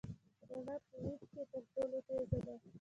رڼا په وېګ کي تر ټولو تېزه ده.